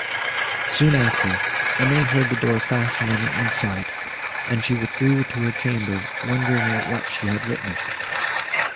Soon after, Emily heard the door fastened on the inside, and she withdrew to her chamber, wondering at what she had witnessed.